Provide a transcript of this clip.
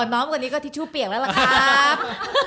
อ๋อน้องกว่านี้ก็ทิชชูเปียกแล้วล่ะครับ